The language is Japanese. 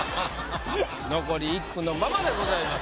残り１句のままでございます。